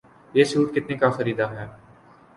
یہ سوٹ کتنے کا خریدا ہے؟